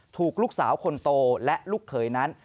ถูกลูกสาวคนโตและลูกเขยนั้น